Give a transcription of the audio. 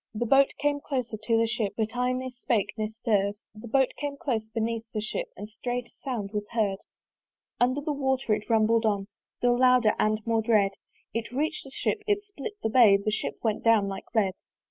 The Boat came closer to the Ship, But I ne spake ne stirr'd! The Boat came close beneath the Ship, And strait a sound was heard! Under the water it rumbled on, Still louder and more dread: It reach'd the Ship, it split the bay; The Ship went down like lead.